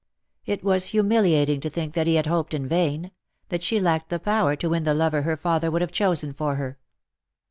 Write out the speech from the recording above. It was humiliating to think that he had hoped in vain ; that she lacked the power to win the lover her father would have chosen for her.